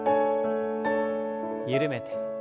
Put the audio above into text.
緩めて。